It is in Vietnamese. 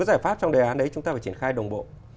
giải pháp trong đề án đấy chúng ta phải triển khai đồng bộ